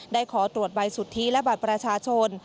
ขอตรวจใบสุทธิและบัตรประชาชน